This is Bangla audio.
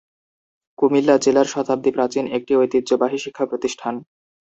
কুমিল্লা জেলার শতাব্দী প্রাচীন একটি ঐতিহ্যবাহী শিক্ষা প্রতিষ্ঠান।